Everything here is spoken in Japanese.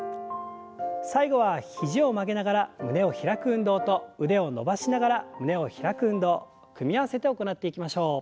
最後は肘を曲げながら胸を開く運動と腕を伸ばしながら胸を開く運動組み合わせて行っていきましょう。